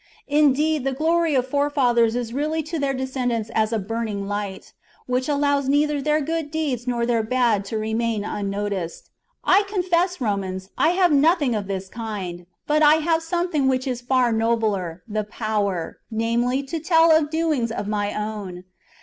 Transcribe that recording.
Indeed, the glory of forefathers is really to their descendants as a burning light, which allows neither their good deeds nor their bad to remain unnoticed. I confess, Romans, I have nothing of this kind, but I have something which is far nobler, the power, namely, to tell of doings of my own.